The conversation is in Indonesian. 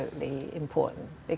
itu benar benar penting